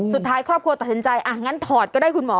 สุดท้ายครอบครัวตัดสินใจอ่ะงั้นถอดก็ได้คุณหมอ